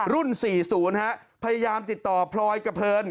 รุ่น๔๐พยายามติดต่อพลอยกระเพลิน